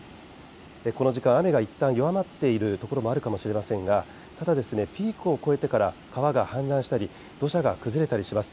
この時間、雨はいったん弱まっているところがあるかもしれませんがただ、ピークを越えてから川が氾濫したり土砂が崩れたりします。